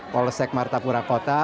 polsek martapura kota